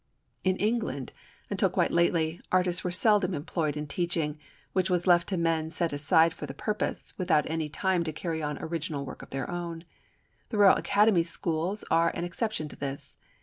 In England, until quite lately, artists were seldom employed in teaching, which was left to men set aside for the purpose, without any time to carry on original work of their own. The Royal Academy Schools are an exception to this.